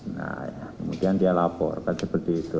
nah kemudian dia laporkan seperti itu